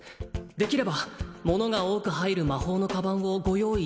できればものが多く入る魔法の鞄をご用意